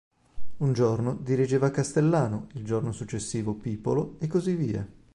Un giorno dirigeva Castellano, il giorno successivo Pipolo e così via.